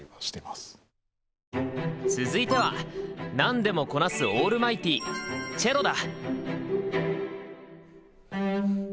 続いてはなんでもこなすオールマイティーチェロだ！